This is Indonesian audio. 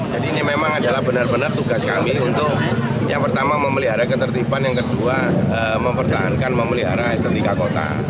yang pertama memelihara ketertiban yang kedua mempertahankan memelihara estetika kota